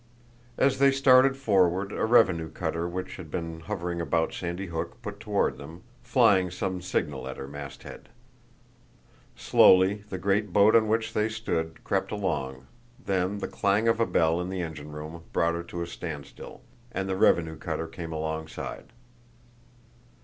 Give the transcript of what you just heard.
As they started forward a revenue cutter which had been hovering about Sandy Hook put toward them, flying some signal at her masthead. Slowly the great boat on which they stood crept along, then the clang of a bell in the engine room brought her to a standstill, and the revenue cutter came alongside.